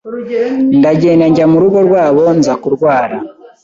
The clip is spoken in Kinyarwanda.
ndagenda njya mu rugo rwabo nza kurwara